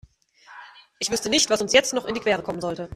Ich wüsste nicht, was uns jetzt noch in die Quere kommen sollte.